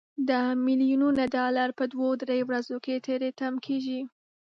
دا ملیونونه ډالر په دوه درې ورځو کې تري تم کیږي.